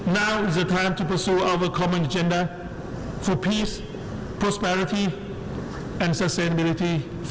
ในการสร้างภารกิจของเราและสร้างการเริ่มขึ้น